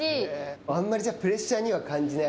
あまりじゃあプレッシャーには感じない。